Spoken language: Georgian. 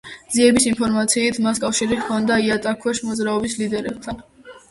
ძიების ინფორმაციით მას კავშირი ჰქონდა იატაკქვეშა მოძრაობის ლიდერებთან.